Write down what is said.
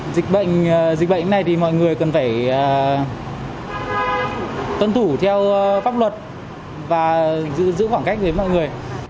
dịch bệnh dịch bệnh này thì mọi người cần phải tuân thủ theo pháp luật và giữ khoảng cách với mọi người